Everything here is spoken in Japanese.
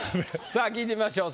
さあ聞いてみましょう。